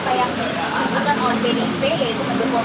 bukan orang yang dihidupkan yaitu pendukung pendukung